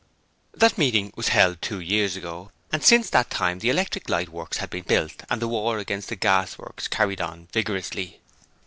That meeting was held two years ago, and since that time the Electric Light Works had been built and the war against the gasworks carried on vigorously.